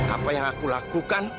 apa yang aku lakukan